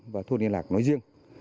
và thôn yên lạc nói riêng